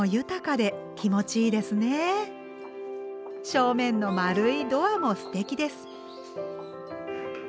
正面の丸いドアもすてきです。